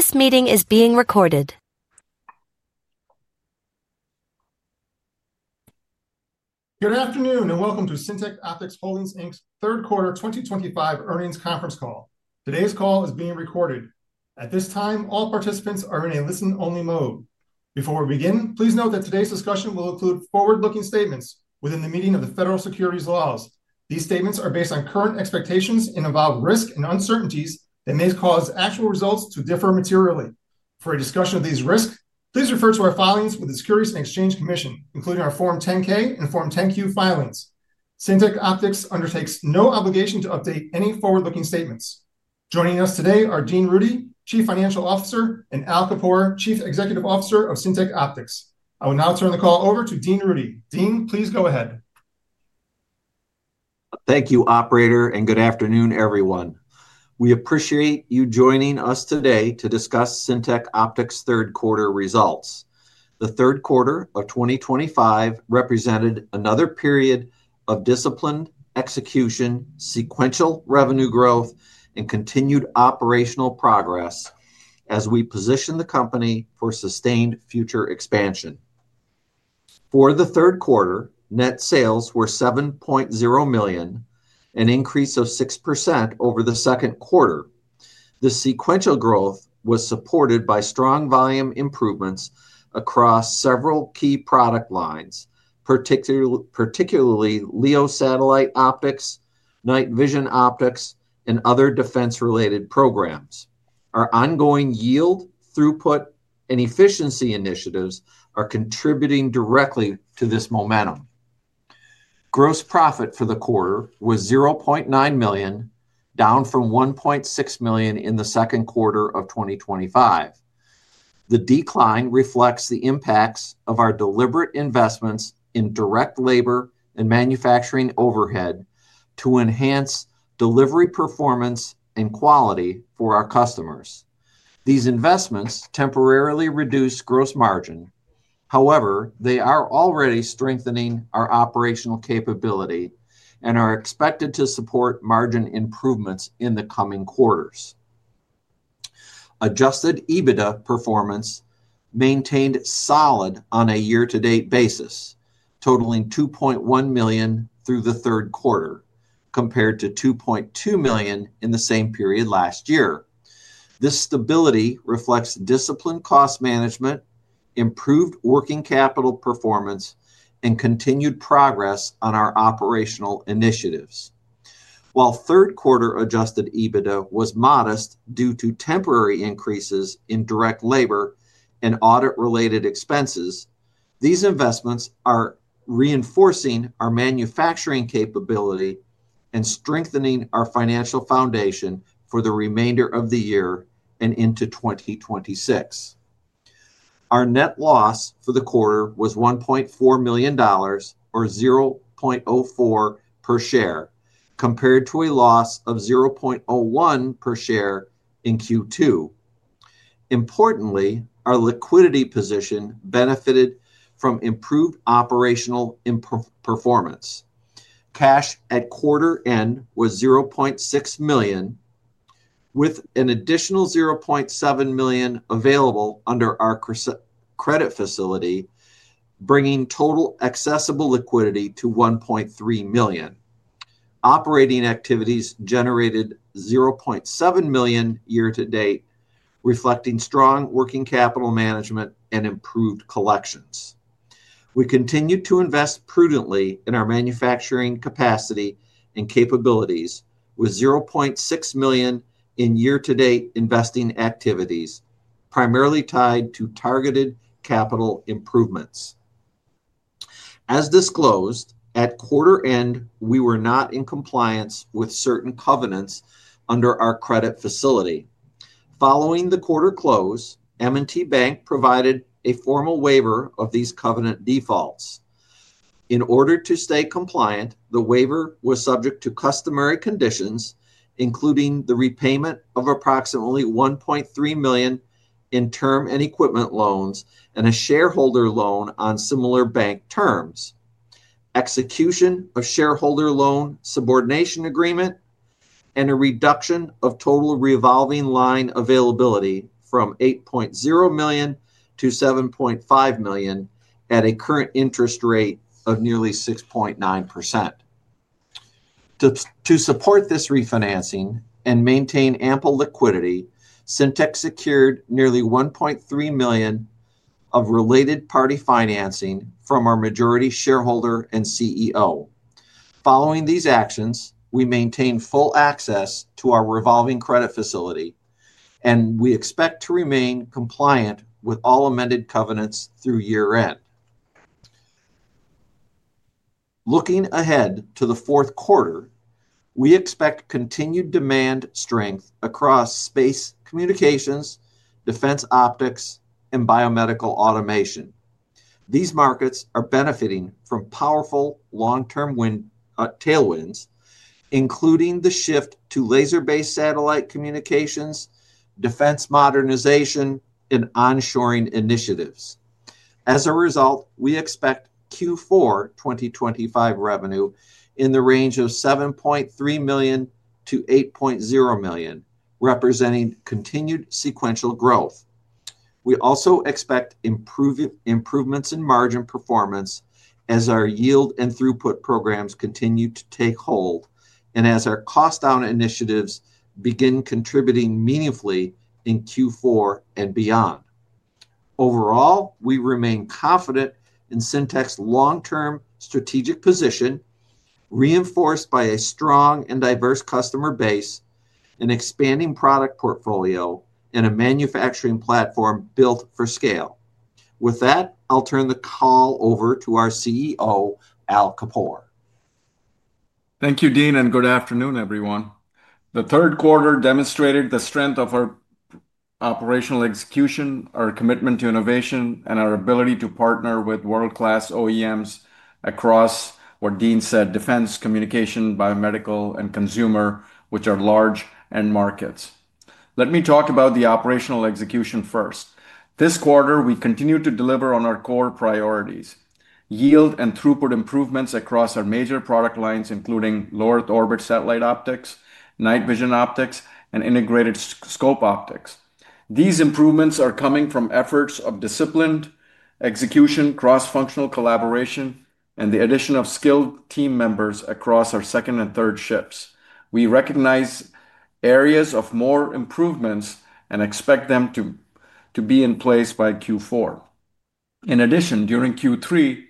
This meeting is being recorded. Good afternoon and welcome to Syntec Optics Holdings' Third Quarter 2025 Earnings Conference Call. Today's call is being recorded. At this time, all participants are in a listen-only mode. Before we begin, please note that today's discussion will include forward-looking statements within the meaning of the federal securities laws. These statements are based on current expectations and involve risks and uncertainties that may cause actual results to differ materially. For a discussion of these risks, please refer to our filings with the Securities and Exchange Commission, including our Form 10-K and Form 10-Q filings. Syntec Optics undertakes no obligation to update any forward-looking statements. Joining us today are Dean Rudy, Chief Financial Officer, and Al Kapoor, Chief Executive Officer of Syntec Optics. I will now turn the call over to Dean Rudy. Dean, please go ahead. Thank you, Operator, and good afternoon, everyone. We appreciate you joining us today to discuss Syntec Optics' third quarter results. The third quarter of 2025 represented another period of disciplined execution, sequential revenue growth, and continued operational progress as we position the company for sustained future expansion. For the third quarter, net sales were $7.0 million, an increase of 6% over the second quarter. The sequential growth was supported by strong volume improvements across several key product lines, particularly LEO Satellite Optics, Night Vision Optics, and other defense-related programs. Our ongoing yield, throughput, and efficiency initiatives are contributing directly to this momentum. Gross profit for the quarter was $0.9 million, down from $1.6 million in the second quarter of 2025. The decline reflects the impacts of our deliberate investments in direct labor and manufacturing overhead to enhance delivery performance and quality for our customers. These investments temporarily reduced gross margin. However, they are already strengthening our operational capability and are expected to support margin improvements in the coming quarters. Adjusted EBITDA performance maintained solid on a year-to-date basis, totaling $2.1 million through the third quarter, compared to $2.2 million in the same period last year. This stability reflects disciplined cost management, improved working capital performance, and continued progress on our operational initiatives. While third quarter Adjusted EBITDA was modest due to temporary increases in direct labor and audit-related expenses, these investments are reinforcing our manufacturing capability and strengthening our financial foundation for the remainder of the year and into 2026. Our net loss for the quarter was $1.4 million, or $0.04 per share, compared to a loss of $0.01 per share in Q2. Importantly, our liquidity position benefited from improved operational performance. Cash at quarter end was $0.6 million, with an additional $0.7 million available under our credit facility, bringing total accessible liquidity to $1.3 million. Operating activities generated $0.7 million year-to-date, reflecting strong working capital management and improved collections. We continue to invest prudently in our manufacturing capacity and capabilities, with $0.6 million in year-to-date investing activities, primarily tied to targeted capital improvements. As disclosed, at quarter end, we were not in compliance with certain covenants under our credit facility. Following the quarter close, M&T Bank provided a formal waiver of these covenant defaults. In order to stay compliant, the waiver was subject to customary conditions, including the repayment of approximately $1.3 million in term and equipment loans and a shareholder loan on similar bank terms, execution of shareholder loan subordination agreement, and a reduction of total revolving line availability from $8.0 million to $7.5 million at a current interest rate of nearly 6.9%. To support this refinancing and maintain ample liquidity, Syntec secured nearly $1.3 million of related party financing from our majority shareholder and CEO. Following these actions, we maintain full access to our revolving credit facility, and we expect to remain compliant with all amended covenants through year-end. Looking ahead to the fourth quarter, we expect continued demand strength across space communications, defense optics, and biomedical automation. These markets are benefiting from powerful long-term tailwinds, including the shift to laser-based satellite communications, defense modernization, and onshoring initiatives. As a result, we expect Q4 2025 revenue in the range of $7.3 million-$8.0 million, representing continued sequential growth. We also expect improvements in margin performance as our yield and throughput programs continue to take hold and as our cost-down initiatives begin contributing meaningfully in Q4 and beyond. Overall, we remain confident in Syntec's long-term strategic position, reinforced by a strong and diverse customer base, an expanding product portfolio, and a manufacturing platform built for scale. With that, I'll turn the call over to our CEO, Al Kapoor. Thank you, Dean, and good afternoon, everyone. The third quarter demonstrated the strength of our operational execution, our commitment to innovation, and our ability to partner with world-class OEMs across, what Dean said, defense, communication, biomedical, and consumer, which are large end markets. Let me talk about the operational execution first. This quarter, we continue to deliver on our core priorities: yield and throughput improvements across our major product lines, including LEO Satellite Optics, Night Vision Optics, and Integrated Scope Optics. These improvements are coming from efforts of disciplined execution, cross-functional collaboration, and the addition of skilled team members across our second and third shifts. We recognize areas of more improvements and expect them to be in place by Q4. In addition, during Q3,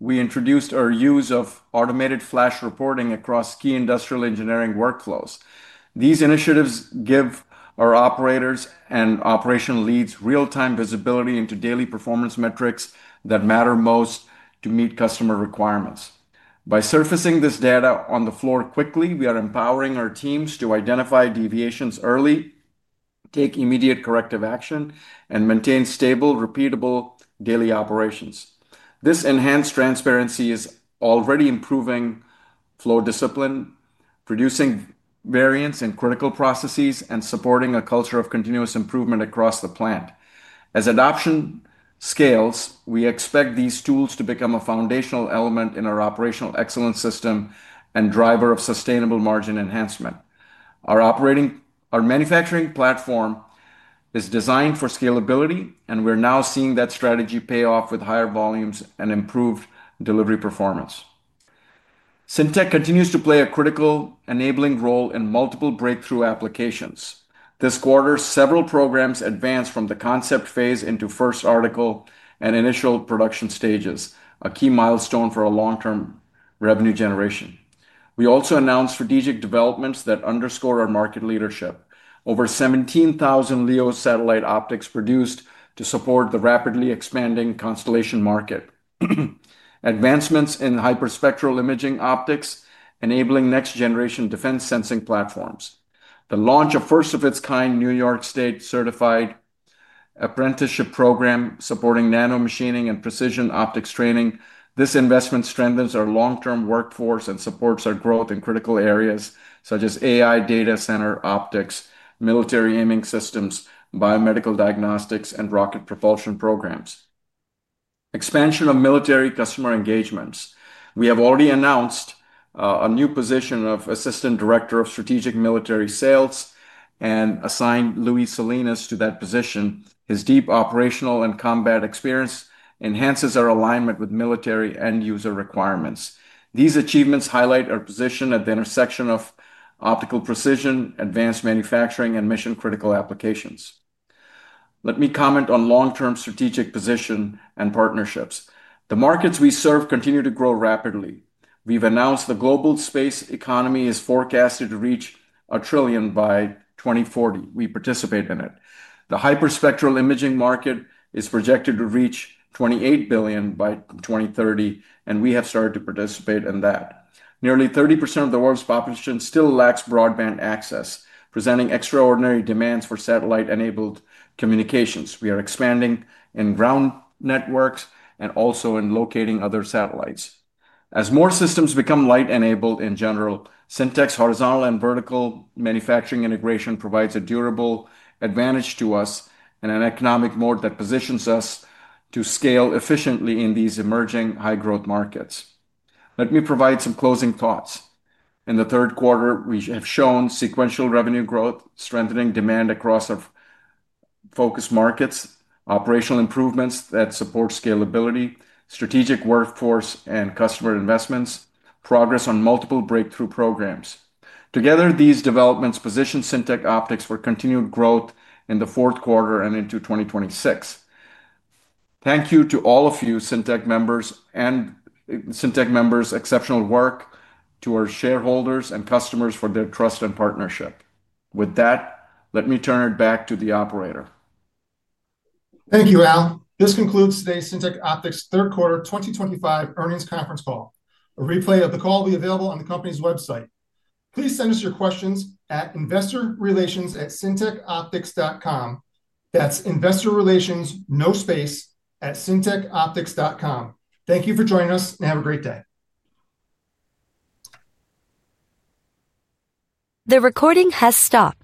we introduced our use of Automated Flash Reporting across key industrial engineering workflows. These initiatives give our operators and operation leads real-time visibility into daily performance metrics that matter most to meet customer requirements. By surfacing this data on the floor quickly, we are empowering our teams to identify deviations early, take immediate corrective action, and maintain stable, repeatable daily operations. This enhanced transparency is already improving flow discipline, reducing variance in critical processes, and supporting a culture of continuous improvement across the plant. As adoption scales, we expect these tools to become a foundational element in our operational excellence system and driver of sustainable margin enhancement. Our manufacturing platform is designed for scalability, and we're now seeing that strategy pay off with higher volumes and improved delivery performance. Syntec continues to play a critical enabling role in multiple breakthrough applications. This quarter, several programs advanced from the concept phase into first article and initial production stages, a key milestone for our long-term revenue generation. We also announced strategic developments that underscore our market leadership: over 17,000 LEO Satellite Optics produced to support the rapidly expanding constellation market, advancements in hyperspectral imaging optics, enabling next-generation defense sensing platforms, the launch of first-of-its-kind New York State-certified apprenticeship program supporting nanomachining and precision optics training. This investment strengthens our long-term workforce and supports our growth in critical areas such as AI Data Center Optics, Military Aiming Systems, Biomedical Diagnostics, and Rocket Propulsion Programs. Expansion of military customer engagements. We have already announced a new position of Assistant Director of Strategic Military Sales and assigned Luis Salinas to that position. His deep operational and combat experience enhances our alignment with military end-user requirements. These achievements highlight our position at the intersection of optical precision, advanced manufacturing, and mission-critical applications. Let me comment on long-term strategic position and partnerships. The markets we serve continue to grow rapidly. We've announced the global space economy is forecasted to reach $1 trillion by 2040. We participate in it. The hyperspectral imaging market is projected to reach $28 billion by 2030, and we have started to participate in that. Nearly 30% of the world's population still lacks broadband access, presenting extraordinary demands for satellite-enabled communications. We are expanding in ground networks and also in locating other satellites. As more systems become light-enabled in general, Syntec's horizontal and vertical manufacturing integration provides a durable advantage to us and an economic moat that positions us to scale efficiently in these emerging high-growth markets. Let me provide some closing thoughts. In the third quarter, we have shown sequential revenue growth, strengthening demand across our focus markets, operational improvements that support scalability, strategic workforce and customer investments, progress on multiple breakthrough programs. Together, these developments position Syntec Optics for continued growth in the fourth quarter and into 2026. Thank you to all of you Syntec members and Syntec members' exceptional work to our shareholders and customers for their trust and partnership. With that, let me turn it back to the Operator. Thank you, Al. This concludes Today's Syntec Optics Third Quarter 2025 Earnings Conference Call. A replay of the call will be available on the company's website. Please send us your questions at investorrelations@syntecoptics.com. That's investorrelations, no space, at syntecoptics.com. Thank you for joining us, and have a great day. The recording has stopped.